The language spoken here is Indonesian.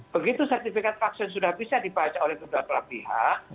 begitu sertifikat vaksin sudah bisa dibaca oleh kedua belah pihak